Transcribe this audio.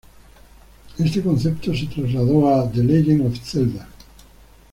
Este concepto se trasladó a "The Legend of Zelda".